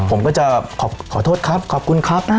ผมก็จะขอโทษครับขอบคุณครับ